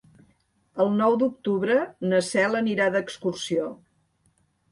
El nou d'octubre na Cel anirà d'excursió.